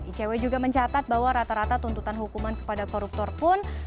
icw juga mencatat bahwa rata rata tuntutan hukuman kepada koruptor pun